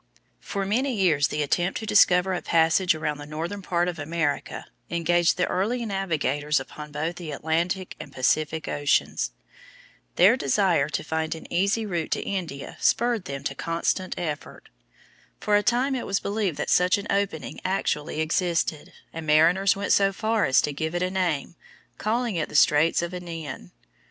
For many years the attempt to discover a passage around the northern part of America engaged the early navigators upon both the Atlantic and Pacific oceans. Their desire to find an easy route to India spurred them to constant effort. For a time it was believed that such an opening actually existed, and mariners went so far as to give it a name, calling it the Straits of Anian.